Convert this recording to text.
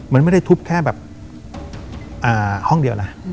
มันไม่ได้ทุบแค่แบบห้องเดียวนะ